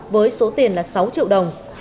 với số tiền là sáu triệu đồng